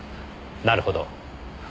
なるほど。